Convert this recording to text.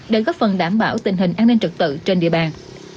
để góp phần đảm bảo tình hình an ninh trật tự trên địa bàn